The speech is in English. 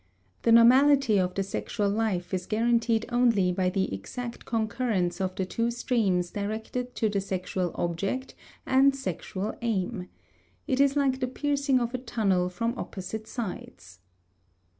The normality of the sexual life is guaranteed only by the exact concurrence of the two streams directed to the sexual object and sexual aim. It is like the piercing of a tunnel from opposite sides.